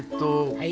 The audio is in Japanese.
はい。